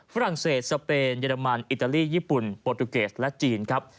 ฝรั่งเศสเปนเรมันอิตาลีญี่ปุ่นโปรตูเกสและจีนครับ